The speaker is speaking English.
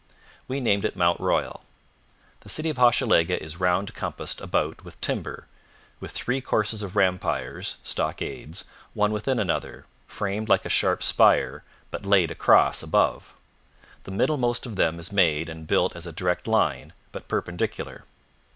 We named it Mount Royal. The city of Hochelaga is round compassed about with timber, with three courses of rampires [stockades], one within another, framed like a sharp spire, but laid across above. The middlemost of them is made and built as a direct line but perpendicular.